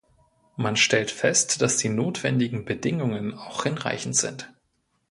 Man stellt fest, dass die notwendigen Bedingungen auch hinreichend sind.